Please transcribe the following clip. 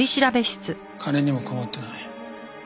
金にも困ってない。